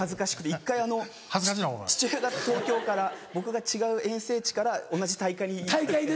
１回父親が東京から僕が違う遠征地から同じ大会に行く時で。